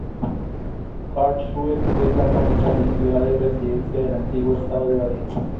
Karlsruhe es la capital y ciudad de residencia del antiguo estado de Baden.